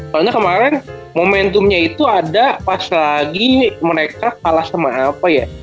soalnya kemarin momentumnya itu ada pas lagi mereka kalah sama apa ya